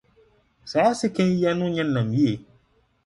Saa sekan yi ano nyɛ nnam yiye